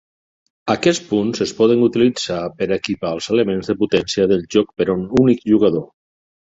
Aquests punts es poden utilitzar per a equipar els elements de potència del joc per a un únic jugador.